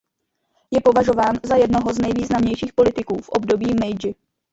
Je považován za jednoho z nejvýznamnějších politiků v období Meidži.